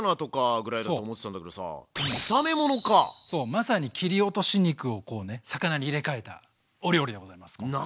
まさに切り落とし肉を魚に入れ替えたお料理でございます今度は。